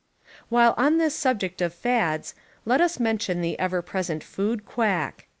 While on this subject of fads let us mention the ever present food quack.